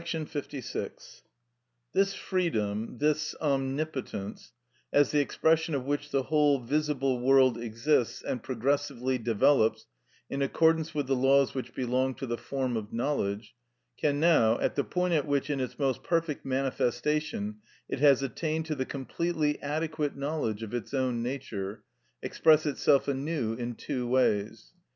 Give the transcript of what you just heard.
§ 56. This freedom, this omnipotence, as the expression of which the whole visible world exists and progressively develops in accordance with the laws which belong to the form of knowledge, can now, at the point at which in its most perfect manifestation it has attained to the completely adequate knowledge of its own nature, express itself anew in two ways.